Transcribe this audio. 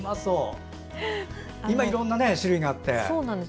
今、いろんな種類があって。